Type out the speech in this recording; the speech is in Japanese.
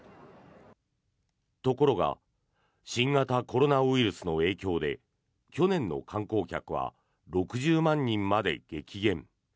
ところが新型コロナウイルスの影響で去年の観光客は６０万人まで激減。